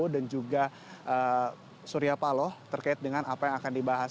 dan juga surya paloh terkait dengan apa yang akan dibahas